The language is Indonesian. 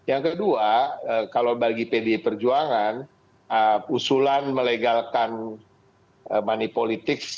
yang kedua kalau bagi pdi perjuangan usulan melegalkan money politics